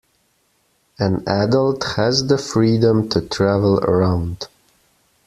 An adult has the freedom to travel around.